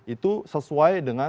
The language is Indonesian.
itu sesuai dengan